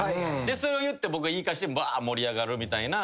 それを言って僕が言い返して盛り上がるみたいな感じ。